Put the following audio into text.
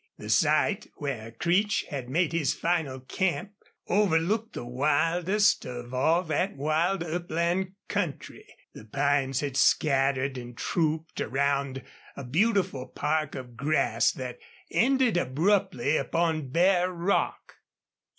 The site where Creech had made his final camp overlooked the wildest of all that wild upland country. The pines had scattered and trooped around a beautiful park of grass that ended abruptly upon bare rock.